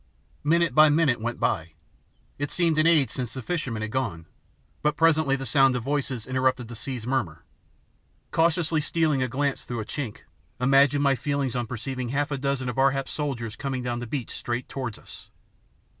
Minute by minute went by. It seemed an age since the fisherman had gone, but presently the sound of voices interrupted the sea's murmur. Cautiously stealing a glance through a chink imagine my feelings on perceiving half a dozen of Ar hap's soldiers coming down the beach straight towards us!